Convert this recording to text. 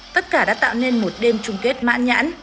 tất cả đã tạo nên một đêm chung kết mãn nhãn